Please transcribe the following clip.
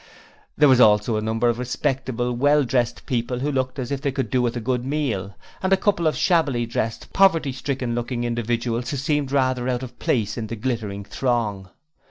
There was also a number of 'respectable', well dressed people who looked as if they could do with a good meal, and a couple of shabbily dressed, poverty stricken looking individuals who seemed rather out of place in the glittering throng.